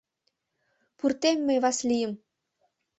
— Пуртем мый Васлийым!..